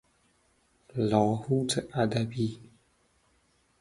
لاهوت ادبی